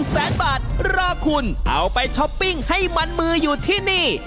แสนบาทรอคุณเอาไปช้อปปิ้งให้มันมืออยู่ที่นี่